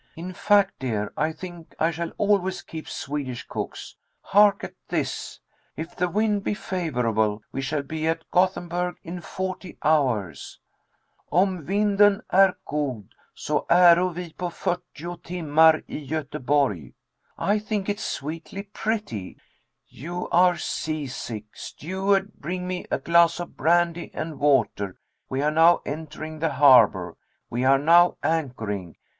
In fact, dear, I think I shall always keep Swedish cooks. Hark at this: 'If the wind be favorable, we shall be at Gothenburg in forty hours.' 'Om vinden är god, sa äro vi pa pyrtio timmar i Goteborg.' I think it is sweetly pretty. 'You are seasick.' 'Steward, bring me a glass of brandy and water.' 'We are now entering the harbor.' 'We are now anchoring.'